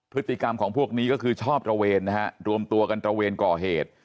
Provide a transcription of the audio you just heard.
พฤติกรรมของพวกนี้ก็คือชอบตระเวนนะฮะรวมตัวกันตระเวนก่อเหตุ